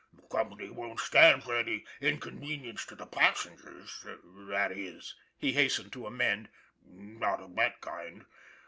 " The company won't stand for any inconvenience to the passengers that is " he hastened to amend, " not of this kind.